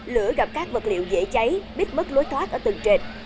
lửa gặp các vật liệu dễ cháy biết mất lối thoát ở từng trệt